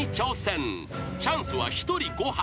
［チャンスは１人５発］